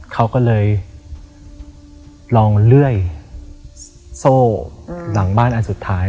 เขาก็เลยลองเลื่อยโซ่หลังบ้านอันสุดท้าย